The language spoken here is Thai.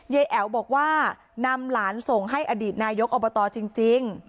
แอ๋วบอกว่านำหลานส่งให้อดีตนายกอบตจริง